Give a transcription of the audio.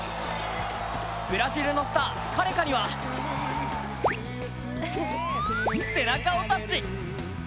ブラジルのスター・カレカには背中をタッチ！